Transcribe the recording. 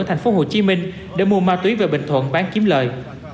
ở thành phố hồ chí minh để mua ma túy về bình thuận bán kiếm lợi